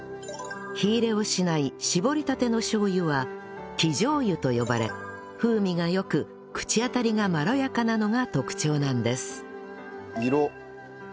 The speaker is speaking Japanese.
火入れをしない搾りたてのしょう油は生醤油と呼ばれ風味が良く口当たりがまろやかなのが特徴なんです